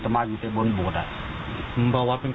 ไม่น่าจะมีเพราะมันเคยเห็น